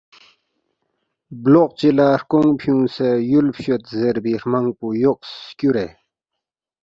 بلوق چی لا ہرکونگ فیونگسے یول فچوید یربی ہرمنگپو یوق سکورے